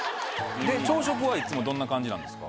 朝食はいつもどんな感じなんですか？